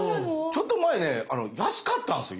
ちょっと前ね安かったんすよ